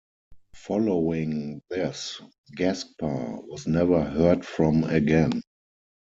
Following this, Gaspar was never heard from again.